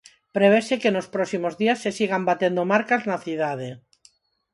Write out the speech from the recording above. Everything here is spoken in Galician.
Prevese que nos próximos días se sigan batendo marcas na cidade.